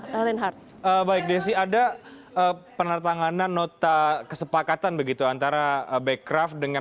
telinga baik desi ada penertanganan nota kesepakatan begitu antara bekraf dengan